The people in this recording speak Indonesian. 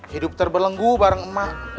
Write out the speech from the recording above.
hidup terbelenggu bareng emak